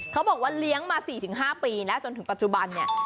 เขาบอกว่าเลี้ยงมา๔๕ปีแล้วจนถึงปัจจุบันเนี่ย